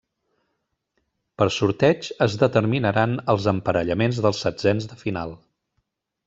Per sorteig es determinaran els emparellaments dels setzens de final.